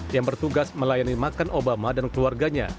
yang bertugas melayani makan obama dan keluarganya